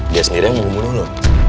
dia sendiri yang membunuh lu